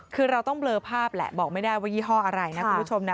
คือเราต้องเบลอภาพแหละบอกไม่ได้ว่ายี่ห้ออะไรนะคุณผู้ชมนะ